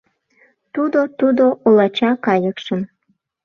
Тудо-тудо олача кайыкшым